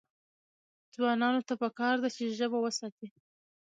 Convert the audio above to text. ځوانانو ته پکار ده چې، ژبه وساتي.